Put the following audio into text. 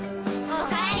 お帰り。